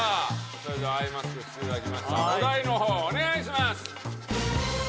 それではアイマスクしていただきましたお題の方お願いします